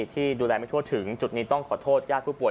ที่ดูแลไม่ทั่วถึงจุดนี้ต้องขอโทษญาติผู้ป่ว